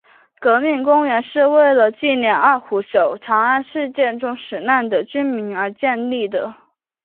革命公园是为了纪念二虎守长安事件中死难的军民而建立的。